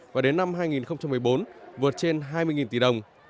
và đến năm hai nghìn một mươi bốn vượt trên hai mươi tỷ đồng